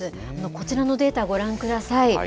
こちらのデータをご覧ください。